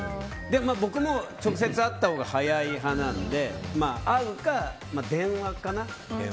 僕も直接会ったほうが早い派なので会うか電話かな。